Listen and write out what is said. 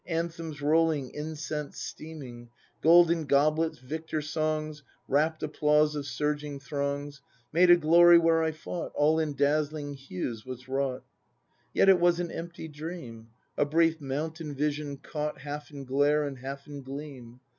Anthems rolling, incense steaming. Golden goblets, victor songs. Rapt applause of surging throngs, Made a glory where I fought. All in dazzling hues was wrought;— Yet it was an empty dream, A brief mountain vision, caught Half in glare and half in gleam.